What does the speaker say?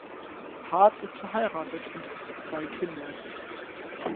Hart ist verheiratet und hat zwei Kinder.